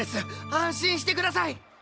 安心してください！